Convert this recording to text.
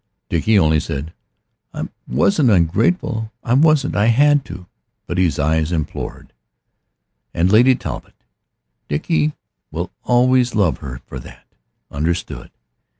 Dickie only said: "I wasn't ungrateful, I wasn't I had to go." But his eyes implored. And Lady Talbot Dickie will always love her for that understood.